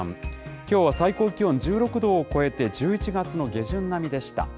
きょうは最高気温１６度を超えて、１１月の下旬並みでした。